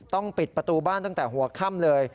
ปิดประตูบ้านตั้งแต่หัวค่ำเลย